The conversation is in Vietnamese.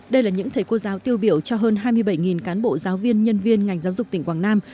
đây là những thầy cô giáo tiêu biểu cho hơn hai mươi bảy cán bộ giáo viên nhân viên ngành giáo dục tỉnh quảng nam